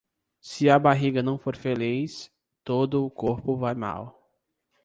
Se a barriga não for feliz, todo o corpo vai mal.